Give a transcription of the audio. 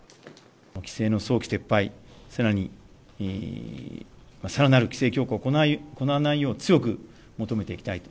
規制の早期撤廃、さらに、さらなる規制強化を行わないよう強く求めていきたいと。